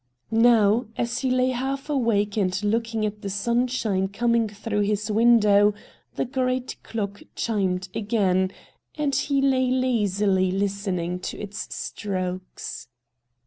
Now, as he lay half awake and looking at the sunshine coming through his window, the great clock chimed again, and he lay lazily listening to its strokes.